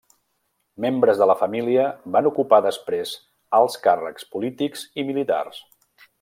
Membres de la família van ocupar després alts càrrecs polítics i militars.